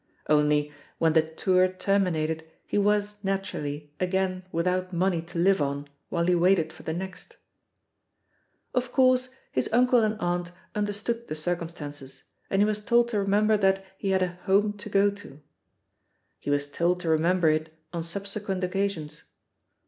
Only, when the tour ter minated, he was, naturally, again without money to live on while he waited for the next. Of course, his uncle and aunt understood the circmnstances, and he was told to remember that he had a "home to go to." He was told to re member it on subsequent occasions.